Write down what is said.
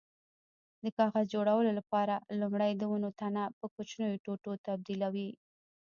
د کاغذ جوړولو لپاره لومړی د ونو تنه په کوچنیو ټوټو تبدیلوي.